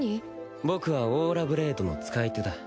僕はオーラブレードの使い手だ。